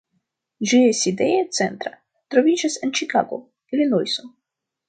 Ĝia sidejo centra troviĝas en Ĉikago, Ilinojso.